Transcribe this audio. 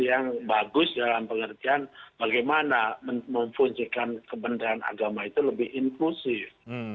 yang bagus dalam pengertian bagaimana memfungsikan kebenaran agama itu lebih inklusif